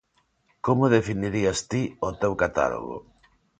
Como definirías ti o teu catálogo?